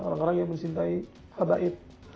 orang orang yang mencintai habaid